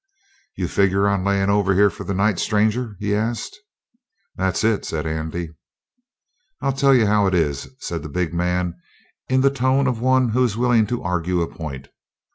"You figure on layin' over here for the night, stranger?" he asked. "That's it," said Andy. "I'll tell you how it is," said the big man in the tone of one who is willing to argue a point.